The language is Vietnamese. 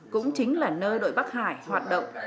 cũng chính là nơi đội bắc hải hoạt động